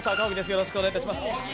よろしくお願いします。